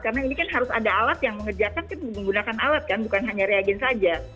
karena ini kan harus ada alat yang mengerjakan kita menggunakan alat kan bukan hanya reagen saja